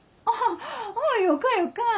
ああよかよか。